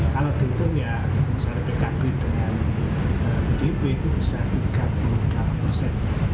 kalau di itu ya misalnya pkb dengan pdip itu bisa tiga puluh lima